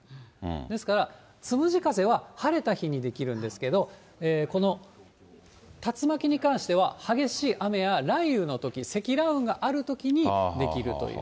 ですから、つむじ風は晴れた日に出来るんですけど、この竜巻に関しては激しい雨や雷雨のとき、積乱雲があるときに出来るという。